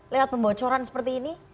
lewat pembocoran seperti ini